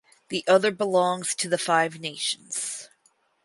The other belongs to the Five Nations.